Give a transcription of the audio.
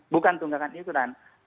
bukan tunggakan iuran